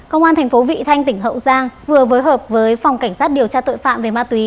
công an tp vị thanh tỉnh hậu giang vừa với hợp với phòng cảnh sát điều tra tội phạm về ma túy